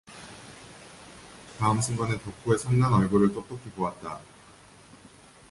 다음 순간에 덕호의 성난 얼굴을 똑똑히 보았다.